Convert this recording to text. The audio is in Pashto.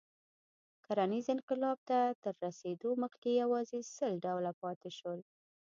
کرنیز انقلاب ته تر رسېدو مخکې یواځې سل ډوله پاتې شول.